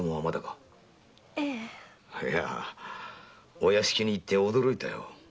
お屋敷へ行って驚いたよ